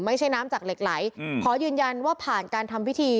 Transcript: ไม่ใช่น้ำจากเหล็กไหลขอยืนยันว่าผ่านการทำพิธี